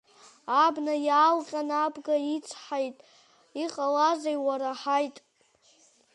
Абна иаалҟьан абга ицҳаит, иҟалазеи, уара, ҳаит!